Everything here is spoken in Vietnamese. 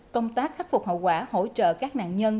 công tác khắc phục hậu quả hỗ trợ các nạn nhân